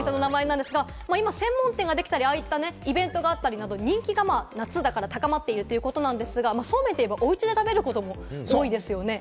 凹メシ食堂、その名前なんですけれども、専門店ができたり、ああいったイベントがあったりなど、人気が夏だから高まってるということなんですが、そうめんといえばおうちで食べることも多いですよね。